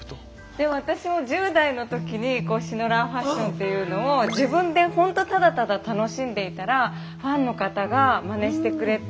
でも私も１０代の時にシノラーファッションというのを自分でほんとただただ楽しんでいたらファンの方がまねしてくれて。